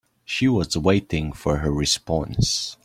She was waiting for her response.